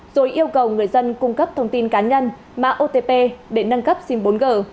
rồi yêu cầu người dân cung cấp thông tin cá nhân mã otp để nâng cấp sim bốn g